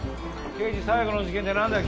刑事最後の事件ってなんだよ？